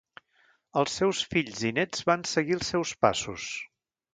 Els seus fills i néts van seguir els seus passos.